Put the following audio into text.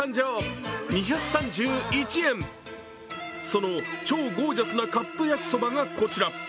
その超ゴージャスなカップ焼きそばがこちら。